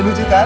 itu lucu kan